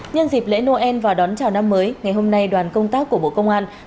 nhân dịp lễ noel và đón chào năm mới ngày hôm nay đoàn công tác của bộ công an